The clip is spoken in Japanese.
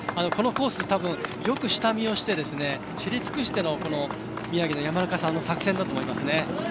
このコース、たぶんよく下見をして知り尽くしての宮城の山中さんの作戦だと思いますね。